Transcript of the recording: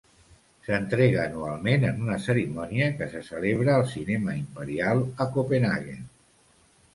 S'entrega anualment en una cerimònia que se celebra al Cinema Imperial a Copenhaguen.